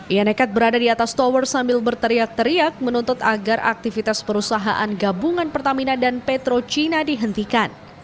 ia nekat berada di atas tower sambil berteriak teriak menuntut agar aktivitas perusahaan gabungan pertamina dan petro cina dihentikan